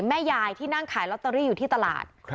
แม่ยายที่นั่งขายลอตเตอรี่อยู่ที่ตลาด